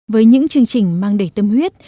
với những chương trình mang đầy tâm huyết